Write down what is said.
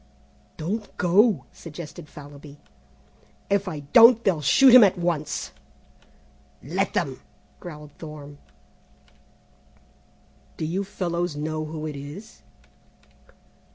"Don't go," suggested Fallowby. "If I don't they'll shoot him at once." "Let them," growled Thorne. "Do you fellows know who it is?"